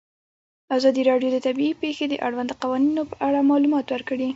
ازادي راډیو د طبیعي پېښې د اړونده قوانینو په اړه معلومات ورکړي.